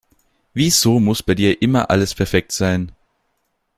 Wieso muss bei dir immer alles perfekt sein?